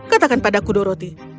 katakan padaku dorothy